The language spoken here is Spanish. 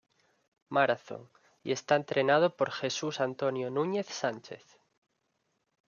Marathon y está entrenado por Jesús Antonio Núñez Sánchez.